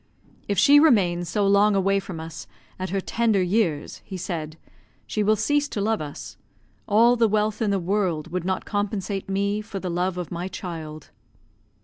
"If she remain so long away from us, at her tender years," he said, "she will cease to love us. All the wealth in the world would not compensate me for the love of my child."